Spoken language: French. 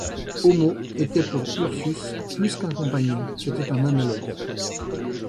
Homo était pour Ursus plus qu’un compagnon, c’était un analogue.